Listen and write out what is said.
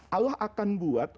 allah akan buat